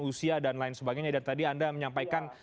usia dan lain sebagainya dan tadi anda menyampaikan